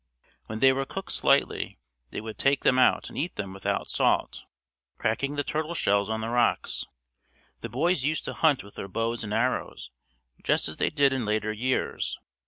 When they were cooked slightly, they would take them out and eat them without salt, cracking the turtle shells on the rocks. The boys used to hunt with their bows and arrows just as they did in later years.